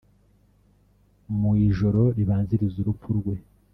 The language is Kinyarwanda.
Mu ijoro ribanziriza urupfu rwe